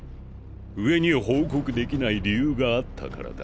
上に報告できない理由があったからだ。